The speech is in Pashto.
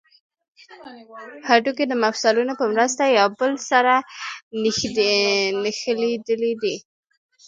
هډوکي د مفصلونو په مرسته یو بل سره نښلیدلي دي